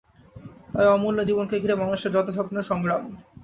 তাই অমূল্য জীবনকে ঘিরে মানুষের যত স্বপ্ন, সংগ্রাম।